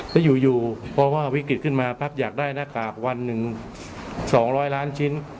แล้วอยู่เพราะว่าวิกฤตขึ้นมาปั๊บอยากได้หน้ากากวันหนึ่ง๒๐๐ล้านชิ้น